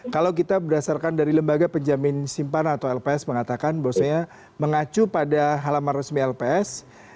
kalau kita berdasarkan dari lembaga penjamin simpanan atau lps mengatakan bahwasanya mengacu pada halaman resmi lps